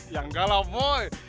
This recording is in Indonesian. ya enggak lah boy